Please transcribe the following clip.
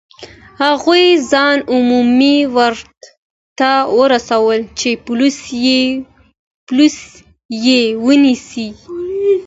هغوی ځان عمومي واټ ته ورسول چې پولیس یې ونیسي.